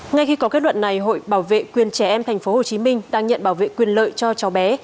ngay khi có kết luận này hội bảo vệ quyền trẻ em tp hcm đang nhận bảo vệ quyền lợi cho cháu bé